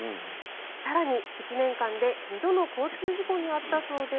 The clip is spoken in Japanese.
更に、１年間で２度の交通事故に遭ったそうです。